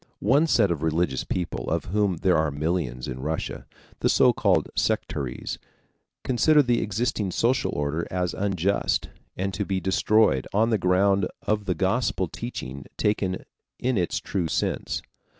One set of religious people of whom there are millions in Russia, the so called sectaries, consider the existing social order as unjust and to be destroyed on the ground of the Gospel teaching taken in its true sense.